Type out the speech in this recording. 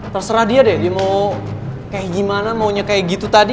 terserah dia deh dia mau kayak gimana maunya kayak gitu tadi